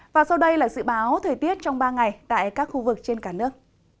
và sau đây là dự báo thời tiết trong ba ngày tại các khu vực trên cả nước